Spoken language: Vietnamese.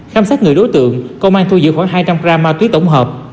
khám sát người đối tượng công an thu giữ khoảng hai trăm linh gram ma túy tổng hợp